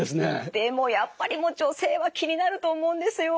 でもやっぱり女性は気になると思うんですよ。